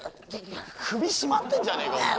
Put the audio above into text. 首絞まってんじゃねえかお前。